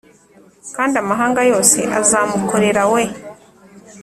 Kandi amahanga yose azamukorera we